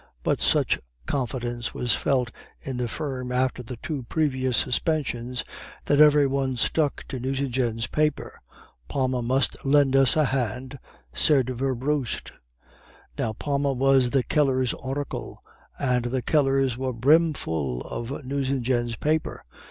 But such confidence was felt in the firm after the two previous suspensions, that every one stuck to Nucingen's paper. 'Palma must lend us a hand,' said Werbrust. "Now Palma was the Keller's oracle, and the Kellers were brimful of Nucingen's paper.